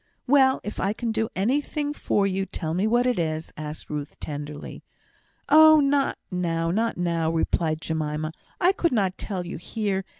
"Well, if I can do anything for you, tell me what it is?" asked Ruth, tenderly. "Oh, not now not now," replied Jemima. "I could not tell you here.